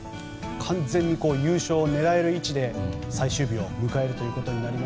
完全に優勝を狙える位置で最終日を迎えるということで。